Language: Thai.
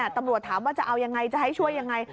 ตำรวจถามว่าจะเอายังไงจะให้ช่วยยังไง